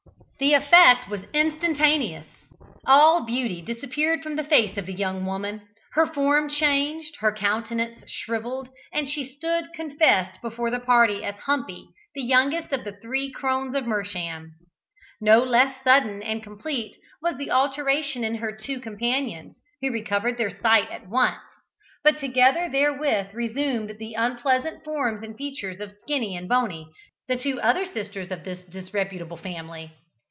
The effect was instantaneous. All beauty disappeared from the face of the young woman, her form changed, her countenance shrivelled, and she stood confessed before the party as Humpy, the youngest of the three Crones of Mersham. No less sudden and complete was the alteration in her two companions, who recovered their sight at once, but together therewith resumed the unpleasant forms and features of Skinny and Bony, the two other sisters of this disreputable family.